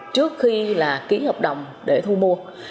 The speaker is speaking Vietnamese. trước khi ký hợp đồng để thu mua